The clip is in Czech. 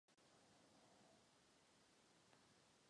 Voda zde byla kvůli simulaci zatížení během startu.